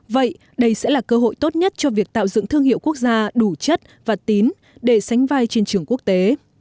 vậy đây sẽ là cơ hội tốt nhất cho việc tạo dựng thương hiệu quốc gia đủ chất và tín để sánh vai trên trường quốc tế